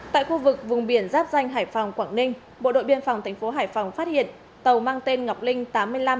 tại khu vực vùng biển giáp danh hải phòng quảng ninh bộ đội biên phòng tp hải phòng phát hiện tàu mang tên ngọc linh